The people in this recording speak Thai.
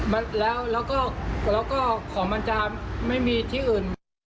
อ่าแล้วแล้วก็แล้วก็ของมันจะไม่มีที่อื่น